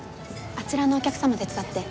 あちらのお客様手伝って。